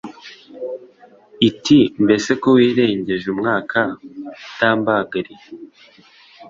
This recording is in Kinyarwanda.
Iti "mbese ko wirengeje umwaka utambagariye,